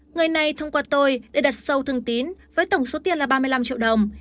người này thông qua tôi để đặt sâu thương tín với tổng số tiền là ba mươi năm triệu đồng